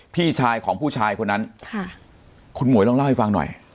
พี่ชายของผู้ชายคนนั้นค่ะคุณหมวยลองเล่าให้ฟังหน่อย